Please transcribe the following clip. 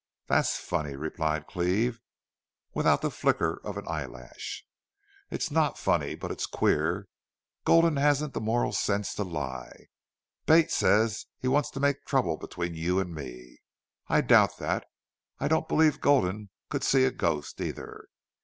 "That's funny," replied Cleve, without the flicker of an eyelash. "It's not funny. But it's queer. Gulden hasn't the moral sense to lie. Bate says he wants to make trouble between you and me. I doubt that. I don't believe Gulden could see a ghost, either.